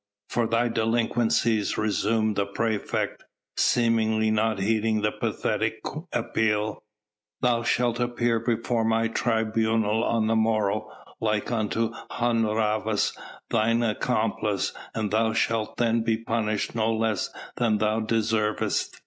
"For thy delinquencies," resumed the praefect, seemingly not heeding the pathetic appeal, "thou shalt appear before my tribunal on the morrow like unto Hun Rhavas thine accomplice, and thou shalt then be punished no less than thou deservest.